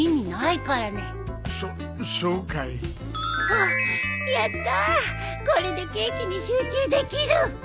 ホッやったこれでケーキに集中できる